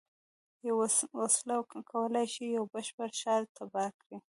یوه وسله کولای شي یو بشپړ ښار تباه کړي